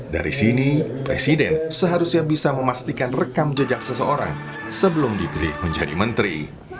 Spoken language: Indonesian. dari sini presiden seharusnya bisa memastikan rekam jejak seseorang sebelum dipilih menjadi menteri